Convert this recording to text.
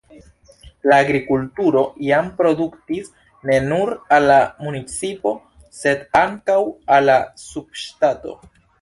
La agrikulturo jam produktis ne nur al la municipo, sed ankaŭ al la subŝtato.